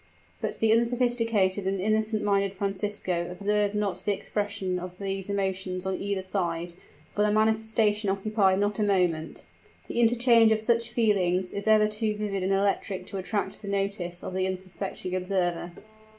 But the unsophisticated and innocent minded Francisco observed not the expression of these emotions on either side, for their manifestation occupied not a moment. The interchange of such feelings is ever too vivid and electric to attract the notice of the unsuspecting observer.